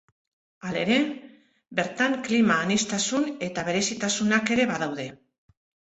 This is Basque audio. Halere, bertan klima aniztasun eta berezitasunak ere badaude.